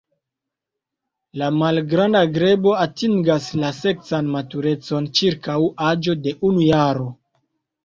La Malgranda grebo atingas la seksan maturecon ĉirkaŭ aĝo de unu jaro.